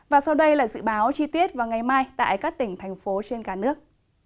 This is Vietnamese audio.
và sau đây là dự báo chi tiết vào ngày mai tại các tỉnh thành phố trên cả nước